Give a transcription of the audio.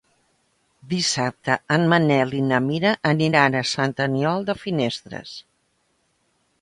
Dissabte en Manel i na Mira aniran a Sant Aniol de Finestres.